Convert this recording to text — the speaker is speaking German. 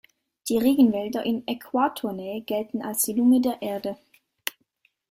Die Regenwälder in Äquatornähe gelten als die Lunge der Erde.